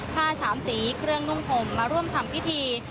ผ้าสามสีเครื่องนุ่งผมมาร่วมทำพิธี